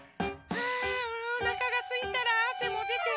あおなかがすいたらあせもでて。